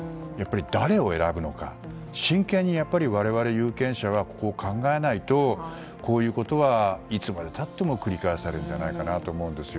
誰を選ぶのか真剣に我々有権者は考えないとこういうことはいつまでたっても繰り返されるのではと思うんです。